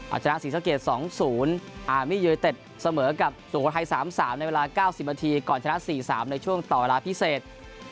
เอาชนะ๔เจ้าเกียรติ๒๐อาร์มี่เยอร์เต็ดเสมอกับส่วนคนไทย๓๓ในเวลา๙๐นาทีก่อนชนะ๔๓ในช่วงต่อเวลาพิเศษ